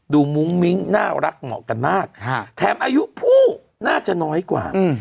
มุ้งมิ้งน่ารักเหมาะกันมากแถมอายุผู้น่าจะน้อยกว่า